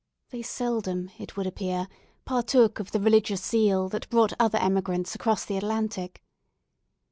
They seldom, it would appear, partook of the religious zeal that brought other emigrants across the Atlantic.